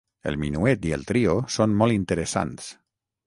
El minuet i el trio són molt interessants.